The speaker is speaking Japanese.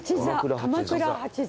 鎌倉八座。